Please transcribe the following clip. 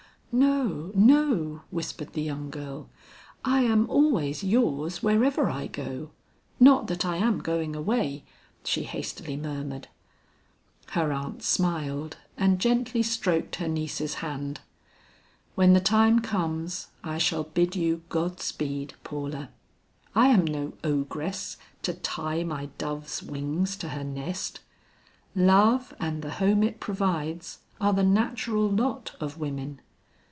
"No, no," whispered the young girl, "I am always yours wherever I go. Not that I am going away," she hastily murmured. Her aunt smiled and gently stroked her niece's hand. "When the time comes, I shall bid you God speed, Paula. I am no ogress to tie my dove's wings to her nest. Love and the home it provides are the natural lot of women.